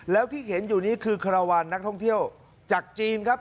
แล้วที่เห็นอยู่นี้คือคาราวันนักท่องเที่ยวจากจีนครับ